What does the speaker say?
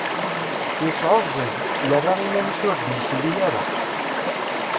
Yesεuẓẓeg, yerra iman-is ur d-yesli ara.